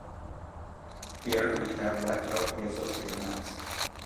Here we have left out the associator maps.